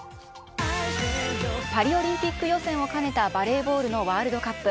パリオリンピック予選を兼ねたバレーボールのワールドカップ。